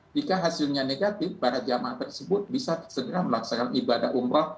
jika hasilnya negatif para jamaah tersebut bisa segera melaksanakan ibadah umroh